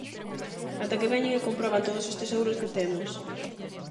Ata que veñen e comproban todos os tesouros que temos.